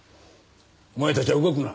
お前たちは動くな。